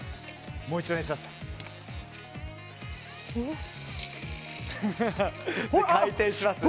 もう一度お願いします。